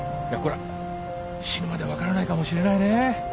いやこれは死ぬまで分からないかもしれないね。